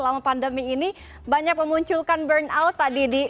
selama pandemi ini banyak memunculkan burn out pak didi